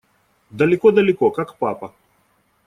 Далеко-далеко, как папа.